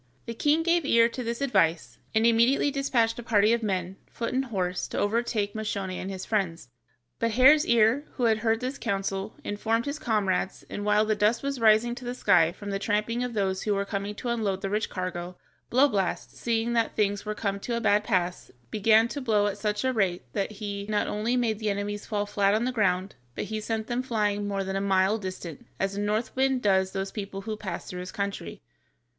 The king gave ear to this advice, and immediately despatched a party of armed men, foot and horse, to overtake Moscione and his friends, but Hare's ear, who had heard this counsel, informed his comrades, and while the dust was rising to the sky from the tramping of those who were coming to unload the rich cargo, Blowblast, seeing that things were come to a bad pass, began to blow at such a rate that he not only made the enemies fall flat on the ground, but he sent them flying more than a mile distant, as a north wind does those people who pass through his country.